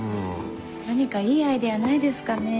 何かいいアイデアないですかね？